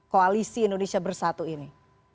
koalisi indonesia bersatu ini